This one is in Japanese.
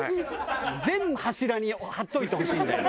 全柱に貼っておいてほしいんだよ。